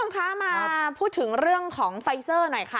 ต้องค่ะมาพูดถึงเรื่องของไฟเซอร์หน่อยค่ะ